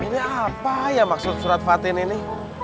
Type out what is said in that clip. ini apa ya maksud surat fatin ini